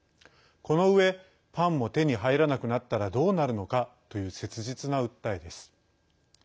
このうえパンも手に入らなくなったらどうなるのかという切実な訴えです。